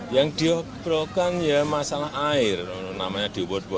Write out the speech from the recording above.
yang diobrokan ya masalah air namanya diobrot water forum